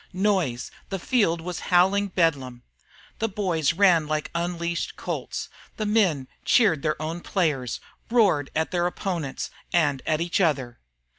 Noise! the field was a howling bedlam. The boys ran like unleashed colts; the men cheered their own players, roared at their opponents, and at each other.